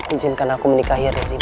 izinkan aku menikahi ada rima